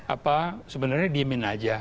apa sebenarnya diemin aja